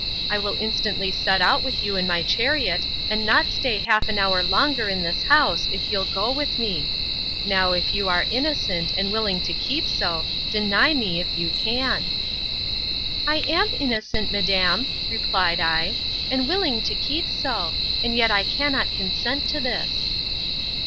—I will instantly set out with you in my chariot, and not stay half an hour longer in this house, if you'll go with me.—Now, if you are innocent, and willing to keep so, deny me, if you can. I am innocent, madam, replied I, and willing to keep so; and yet I cannot consent to this.